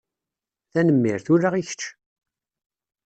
Tanemmirt! Ula i kečč!